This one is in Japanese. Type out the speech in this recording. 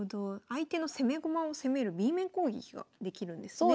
相手の攻め駒を攻めるＢ面攻撃ができるんですね。